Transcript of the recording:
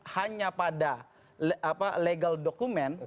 hanya pada legal dokumen